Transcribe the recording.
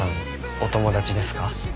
お友達ですか？